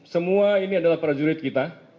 semua ini adalah para jurid kita